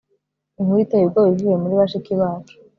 Inkuru iteye ubwoba ivuye muri bashiki bacu